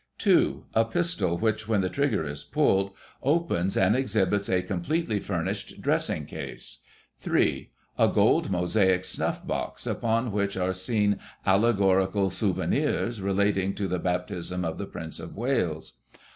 2. — A pistol, which, when the trigger is pulled, opens and exhibits a completely furnished dressing case. 3. — ^A gold mosaic snuff box, upon which are seen allegorical souvenirs relating to the baptism of the Prince of Wales.